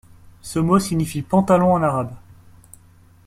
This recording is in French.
Ce mot signifie pantalon en arabe.